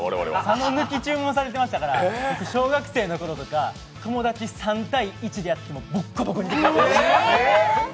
佐野抜き注文されてましたから、小学生のころとか、友達３対１でやってもボッコボコにしてました。